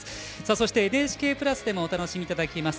そして、ＮＨＫプラスでもお楽しみいただけます。